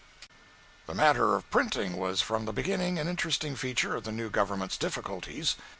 188.jpg (30K) The matter of printing was from the beginning an interesting feature of the new government's difficulties.